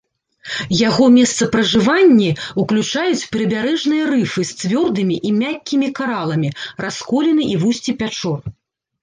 Яго месцапражыванні ўключаюць прыбярэжныя рыфы з цвёрдымі і мяккімі караламі, расколіны і вусці пячор.